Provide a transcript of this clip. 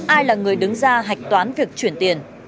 ai là người đứng ra hạch toán việc chuyển tiền